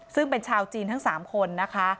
ซึ่งเป็นชาวจีนทั้ง๓คนนะคะ